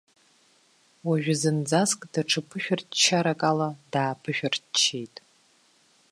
Уажәы зынӡаск даҽа ԥышәырччарак ала дааԥышәырччеит.